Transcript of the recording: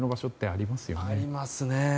ありますね。